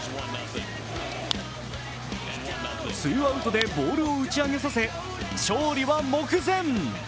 ツーアウトでボールを打ち上げさせ、勝利は目前。